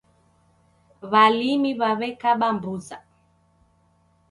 W'alimi w'aw'ekaba mbuza